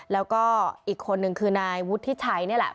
แล้วก็อีกคนนึงคือนายวุฒิชัยนี่แหละ